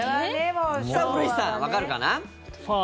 古市さん、わかるかな？